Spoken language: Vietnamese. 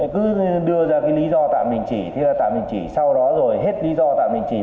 cứ đưa ra lý do tạm đình chỉ sau đó rồi hết lý do tạm đình chỉ